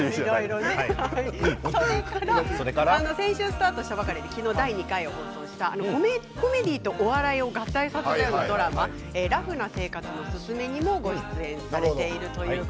それから先週スタートしたばかり昨日、第２回を放送したコメディーとお笑いを合体させたドラマ「ラフな生活のススメ」にもご出演されています。